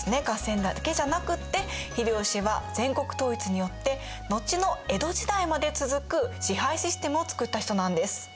合戦だけじゃなくって秀吉は全国統一によって後の江戸時代まで続く支配システムを作った人なんです。